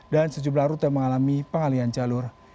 dan sejumlah rute mengalami pengalian jalur